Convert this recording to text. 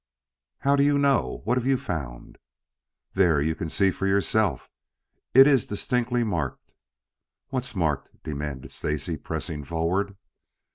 "How do you know? What have you found?" "There. You can see for yourself. It is distinctly marked " "What's marked?" demanded Stacy, pressing forward.